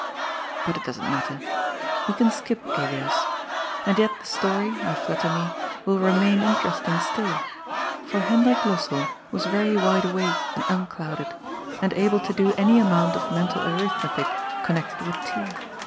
But it doesn't matter. We can skip Elias ; and yet the story, I flatter me, will remain interest ing still, for Hendrik Lossell was yery wide awake and un clouded, and able to do any amount of mental arithmetic, connected with tea.